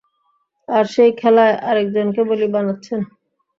আর সেই খেলায় আরেকজনকে বলি বানাচ্ছেন।